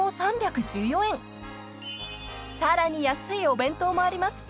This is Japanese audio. ［さらに安いお弁当もあります］